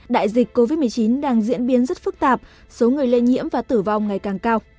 đại dịch covid một mươi chín đang diễn biến rất phức tạp số người lây nhiễm và tử vong ngày càng cao